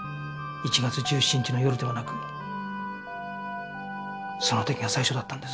１月１７日の夜ではなくその時が最初だったんです。